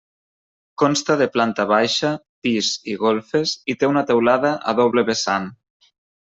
Consta de planta baixa, pis i golfes, i té una teulada a doble vessant.